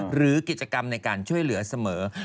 หรือกิจกรรมในการช่วยเหลือเสมอ